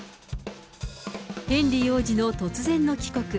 ヘンリー王子の突然の帰国。